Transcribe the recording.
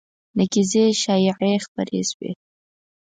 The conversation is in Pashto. نقیضې شایعې خپرې شوې